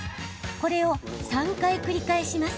これを３回繰り返します。